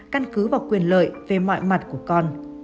căn cứ vào quyền lợi về mọi mặt của con